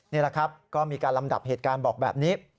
นี่แหละครับก็มีการลำดับเหตุการณ์บอกแบบนี้